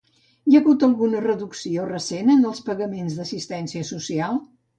Hi ha hagut alguna reducció recent en els pagaments d'assistència social?